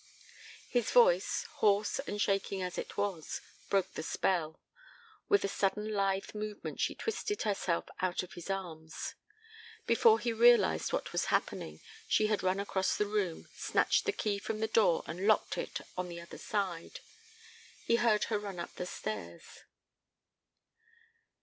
His voice, hoarse and shaking as it was, broke the spell; with a sudden lithe movement she twisted herself out of his arms. Before he realized what was happening she had run across the room, snatched the key from the door and locked it on the other side. He heard her run up the stairs.